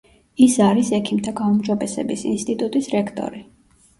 ის არის ექიმთა გაუმჯობესების ინსტიტუტის რექტორი.